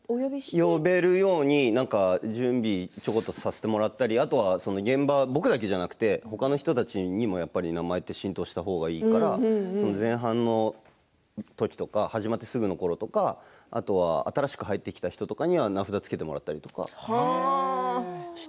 呼べるように準備をさせてもらったり現場は僕だけではなくて他の人たちにも名前が浸透した方がいいから前半の時とか始まってすぐのころとかは新しく入ってきた人には名札をつけてもらったりしていました。